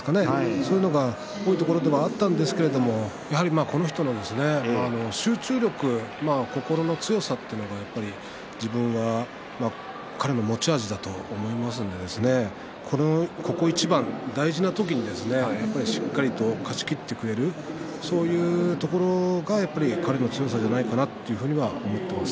そういうのが多いところではあったんですけれどやはりこの人の集中力心の強さというのが自分は彼の持ち味だと思いますのでここいちばん大事な時にしっかりと勝ち切ってくれるそういうところがやっぱり彼の強さではないかなと思っています。